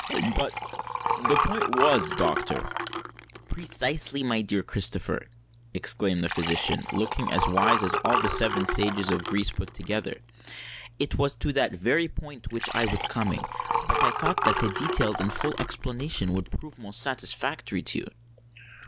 "But—the point was, doctor——" "Precisely, my dear Sir Christopher!" exclaimed the physician, looking as wise as all the seven sages of Greece put together: "it was to that very point which I was coming;—but I thought that a detailed and full explanation would prove most satisfactory to you."